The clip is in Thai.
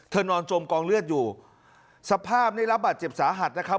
นอนจมกองเลือดอยู่สภาพได้รับบาดเจ็บสาหัสนะครับ